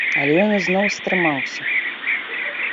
Але ён ізноў стрымаўся.